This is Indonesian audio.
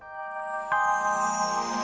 kalau kamu mau menang kamu harus menang